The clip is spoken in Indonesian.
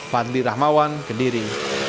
fadli rahmawan kediri